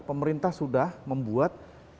pemerintah sudah membuat